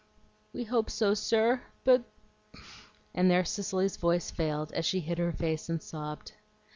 "We hope so, sir, but " And there Cicely's voice failed, as she hid her face and sobbed.